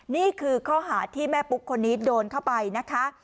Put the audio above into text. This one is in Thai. นี่คือข้อหาที่แม่ปุ๊กคนนี้โดนเข้าไปนะคะ